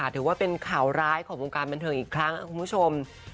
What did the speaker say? ถือว่าเป็นข่าวร้ายของวงการบันเทิงอีกครั้งคุณผู้ชม